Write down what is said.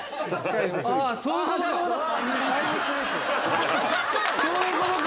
そういうことか。